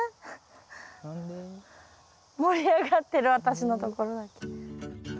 盛り上がってる私のところだけ。